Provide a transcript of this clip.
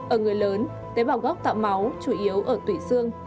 ở người lớn tế bào gốc tạo máu chủ yếu ở tủy xương